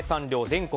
全国